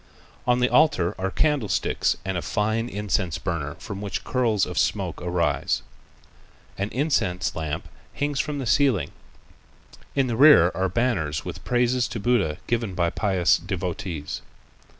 On the altar are candlesticks and a fine incense burner from which curls of smoke arise. An immense lamp hangs from the ceiling. In the rear are banners with praises to Buddha given by pious devotees.